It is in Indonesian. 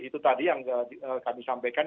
itu tadi yang kami sampaikan